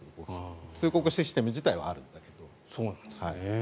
通告システム自体はあるけど。